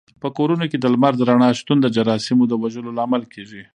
په کورونو کې د لمر د رڼا شتون د جراثیمو د وژلو لامل کېږي.